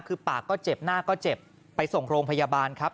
คือปากก็เจ็บหน้าก็เจ็บไปส่งโรงพยาบาลครับ